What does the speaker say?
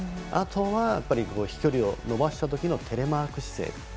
あとは飛距離を伸ばしたときのテレマーク姿勢。